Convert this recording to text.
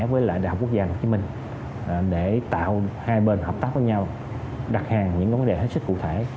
với đại học quốc gia tp hcm để tạo hai bên hợp tác với nhau đặt hàng những vấn đề hết sức cụ thể